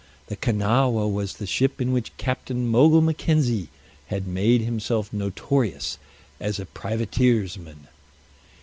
The Kanawha was the ship in which Captain Mogul Mackenzie had made himself notorious as a privateersman.